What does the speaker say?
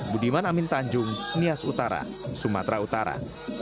budiman amin tanjung nias utara sumatera utara